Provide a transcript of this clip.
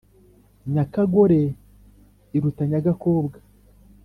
Nyakagore iriuta nyagakobwa